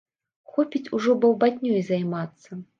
Хопіць ужо балбатнёй займацца.